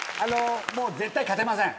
もう絶対勝てません。